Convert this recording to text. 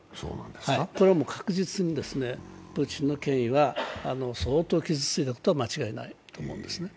これは確実にプーチンの権威は相当傷ついたことは間違いないと思うんです。